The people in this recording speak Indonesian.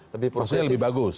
maksudnya lebih bagus